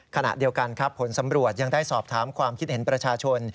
ขณะเดียวกันครับผลสำรวจยังได้สอบถามความคิดเห็นประชาชน